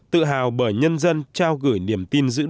tự hào bởi nhân dân trao gửi niềm tin giữ nước